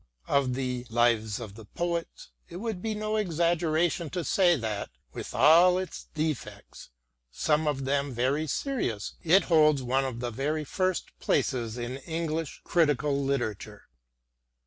Of the " Lives of the Poets " it would be no exaggeration to say that, with all its defects, some of them very serious, it holds one of the very first places in English critical literature.